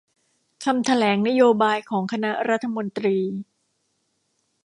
คำแถลงนโยบายของคณะรัฐมนตรี